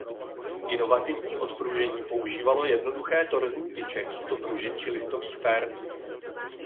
Inovativní odpružení používalo jednoduché torzní tyče místo pružin či listových per.